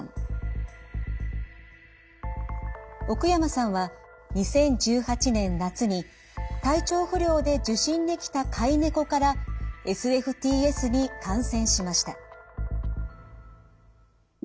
奥山さんは２０１８年夏に体調不良で受診に来た飼い猫からＳＦＴＳに感染しました。